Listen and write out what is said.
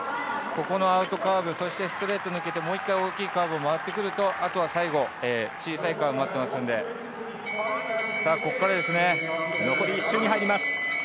ここのアウトカーブ、そしてストレイト抜けて、もう１回大きいカーブを回ってくるとあとは最後、小さいカーブが待っていますので、残り１周に入ります。